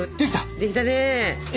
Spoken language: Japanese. できたね。